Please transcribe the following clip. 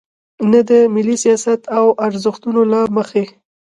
نه د ملي سیاست او ارزښتونو له مخې.